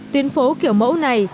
tuyến phố kiểu mẫu này